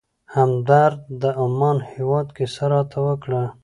همدرد د عمان هېواد کیسه راته وکړه.